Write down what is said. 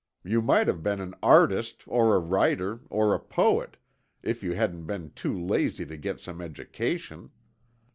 You might have been an artist or a writer or a poet, if you hadn't been too lazy to get some education.